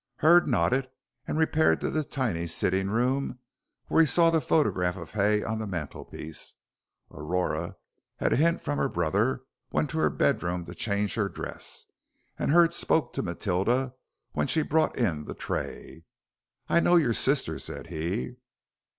Hurd nodded and repaired to the tiny sitting room, where he saw the photograph of Hay on the mantelpiece. Aurora, at a hint from her brother, went to her bedroom to change her dress, and Hurd spoke to Matilda, when she brought in the tray. "I know your sister," said he.